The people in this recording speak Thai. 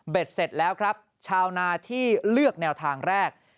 เสร็จแล้วครับชาวนาที่เลือกแนวทางแรก